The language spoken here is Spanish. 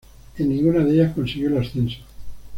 En ninguna de ellas consiguió el ascenso.